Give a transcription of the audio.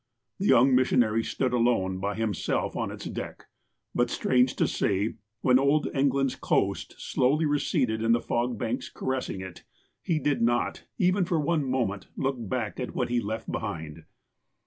The young missionary stood alone, by himself, on its deck, but, strange to say, when old England's coast slowly receded in the fog banks caressing it he did not, for even one moment, look back on what he left behind.